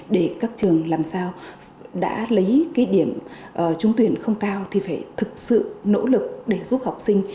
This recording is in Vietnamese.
để các trường làm sao đã lấy cái điểm trúng tuyển không cao thì phải thực sự nỗ lực để giúp học sinh